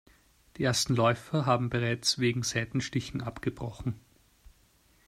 Die ersten Läufer haben bereits wegen Seitenstichen abgebrochen.